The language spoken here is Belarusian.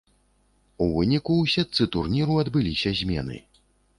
У выніку ў сетцы турніру адбыліся змены.